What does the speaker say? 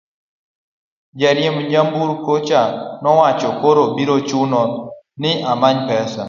jariemb nyamburko cha nowacho, koro biro chuno ni amany pesa